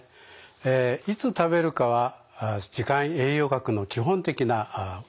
えいつ食べるかは時間栄養学の基本的な問題点ですね。